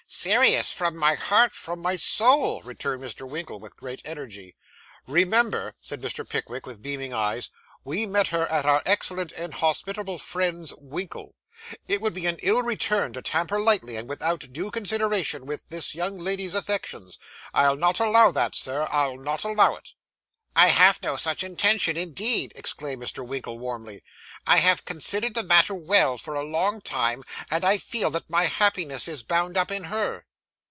'Serious, from my heart from my soul!' returned Mr. Winkle, with great energy. 'Remember,' said Mr. Pickwick, with beaming eyes, 'we met her at our excellent and hospitable friend's, Winkle. It would be an ill return to tamper lightly, and without due consideration, with this young lady's affections. I'll not allow that, sir. I'll not allow it.' 'I have no such intention, indeed,' exclaimed Mr. Winkle warmly. 'I have considered the matter well, for a long time, and I feel that my happiness is bound up in her.